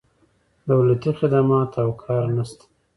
دولتي خدمات او کار نه شته.